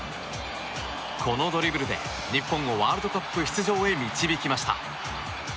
このドリブルで日本をワールドカップ出場へ導きました。